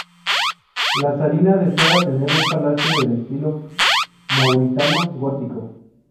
La zarina deseaba tener un palacio del estilo mauritano-gótico.